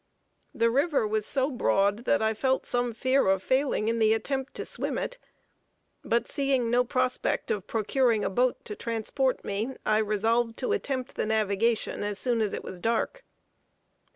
The river was so broad that I felt some fear of failing in the attempt to swim it; but seeing no prospect of procuring a boat to transport me, I resolved to attempt the navigation as soon as it was dark.